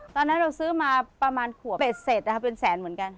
ตอนนั้นเราซื้อมาประมาณขวบเป็ดเสร็จนะคะเป็นแสนเหมือนกัน